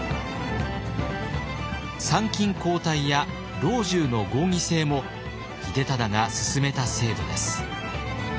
参勤交代や老中の合議制も秀忠が進めた制度です。